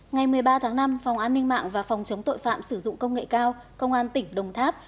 ngày một mươi ba tháng năm phòng an ninh mạng và phòng chống tội phạm sử dụng công nghệ cao công an tỉnh đồng tháp